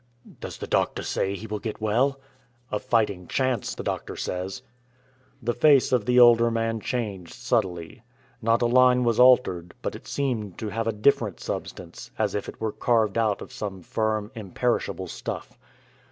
"Does the doctor say he will get well?" "A fighting chance the doctor says." The face of the older man changed subtly. Not a line was altered, but it seemed to have a different substance, as if it were carved out of some firm, imperishable stuff.